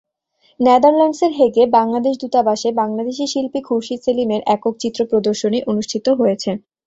নেদারল্যান্ডসের হেগে বাংলাদেশ দূতাবাসে বাংলাদেশি শিল্পী খুরশীদ সেলিমের একক চিত্র প্রদর্শনী অনুষ্ঠিত হয়েছে।